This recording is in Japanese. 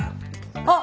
あっ！